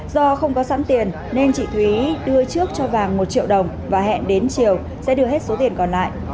do không có sẵn tiền nên chị thúy đưa trước cho vàng một triệu đồng và hẹn đến chiều sẽ đưa hết số tiền còn lại